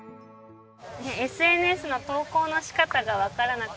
ＳＮＳの投稿の仕方がわからなかったんで。